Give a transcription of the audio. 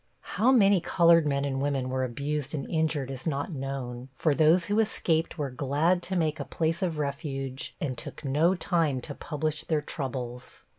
How many colored men and women were abused and injured is not known, for those who escaped were glad to make a place of refuge and took no time to publish their troubles.